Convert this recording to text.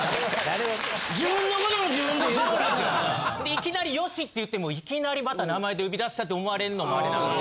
いきなり「善し」って言ってもいきなりまた名前で呼び出したって思われるのもあれなんで。